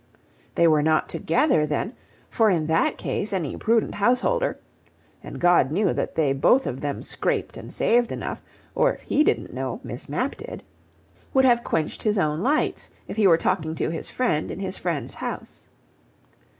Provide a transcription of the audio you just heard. They were not together then, for in that case any prudent householder (and God knew that they both of them scraped and saved enough, or, if He didn't know, Miss Mapp did) would have quenched his own lights, if he were talking to his friend in his friend's house.